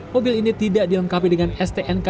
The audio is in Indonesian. mobil ini tidak dilengkapi dengan stnk